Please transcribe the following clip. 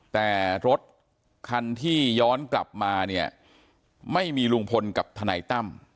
แต่รถคันที่ย้อนกลับมาเนี่ยไม่มีลุงพลกับทนายตั้ม